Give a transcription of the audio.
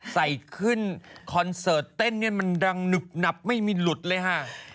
ใส่ขึ้นคอนเสิร์ตเต้นเนี่ยมันดังหนึบหนับไม่มีหลุดเลยค่ะ